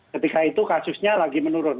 ketika itu kasusnya lagi menurun